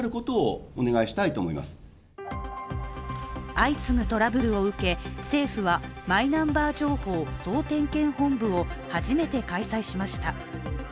相次ぐトラブルを受け、政府はマイナンバー情報総点検本部を初めて開催しました。